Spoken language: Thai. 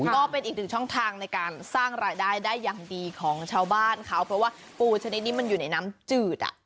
ก็เป็นอีกหนึ่งช่องทางในการสร้างรายได้ได้อย่างดีของชาวบ้านเขาเพราะว่าปูชนิดนี้มันอยู่ในน้ำจืดอ่ะ